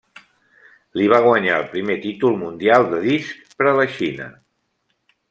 Li va guanyar el primer títol mundial de disc per a la Xina.